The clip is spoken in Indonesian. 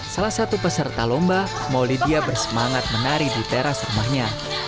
salah satu peserta lomba maulidya bersemangat menari di teras rumahnya